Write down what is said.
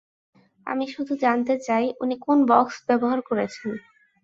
আমি শুধু জানতে চাই উনি কোন বক্স ব্যবহার করেছেন।